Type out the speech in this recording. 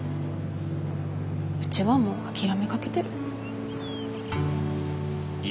うちはもう諦めかけてる。